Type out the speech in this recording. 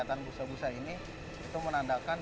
kegiatan busa busa ini itu menandakan